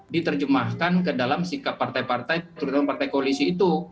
diterjemahkan ke dalam sikap partai partai terutama partai koalisi itu